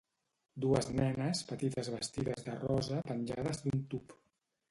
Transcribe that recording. Dues nenes petites vestides de rosa penjades d'un tub.